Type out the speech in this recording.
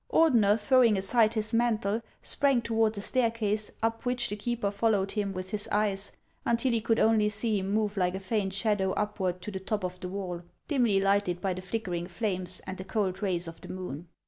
Ordener, throwing aside his mantle, sprang toward the staircase, up which the keeper followed him with his eyes until he could only see him move like a faint shadow upward to the top of the wall, dimly lighted by the flickering flames and the cold rays of the moon.